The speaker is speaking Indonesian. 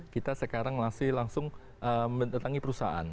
kita sekarang masih langsung menentangi perusahaan